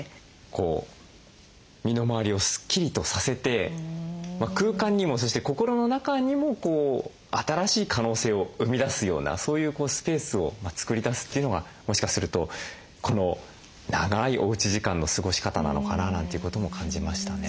こう身の回りをスッキリとさせて空間にもそして心の中にも新しい可能性を生み出すようなそういうスペースを作り出すというのがもしかするとこの長いおうち時間の過ごし方なのかななんていうことも感じましたね。